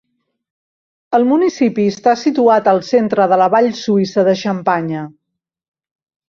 El municipi està situat al centre de la vall suïssa de Xampanya.